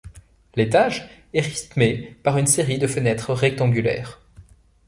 L'étage est rythmé par une série de fenêtres rectangulaires.